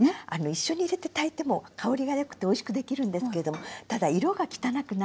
一緒に入れて炊いても香りが良くておいしくできるんですけれどもただ色が汚くなるので。